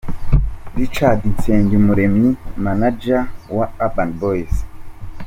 Richard Nsengumuremyi , manager wa Urban Boys.